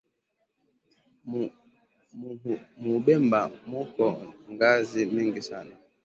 Mubuhemba muko ngazi mingi sana